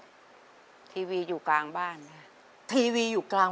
บานประตูนี้มีผ้าม่านอะไรยังไงนึกออกไหม